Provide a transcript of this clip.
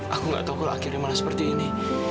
aku nggak tahu kalau akhirnya malah seperti ini